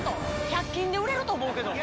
百均で売れると思うけど